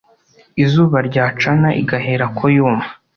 izuba ryacana, igaherako yuma